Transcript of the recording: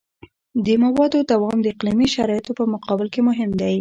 د موادو دوام د اقلیمي شرایطو په مقابل کې مهم دی